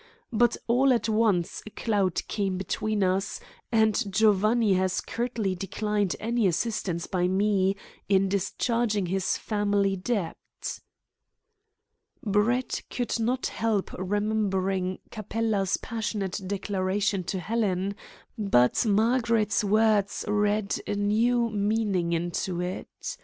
But all at once a cloud came between us, and Giovanni has curtly declined any assistance by me in discharging his family debt." Brett could not help remembering Capella's passionate declaration to Helen, but Margaret's words read a new meaning into it.